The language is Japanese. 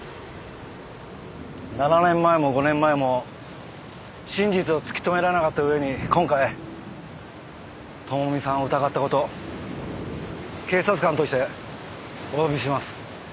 ７年前も５年前も真実を突き止められなかった上に今回朋美さんを疑った事警察官としておわびします。